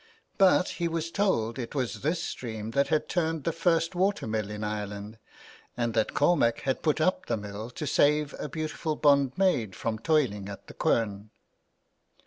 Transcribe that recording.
But he was told it was this stream that had turned the first water mill in Ireland, and that Cormac had put up the mill to save a beautiful bond maid from toiling at the quern.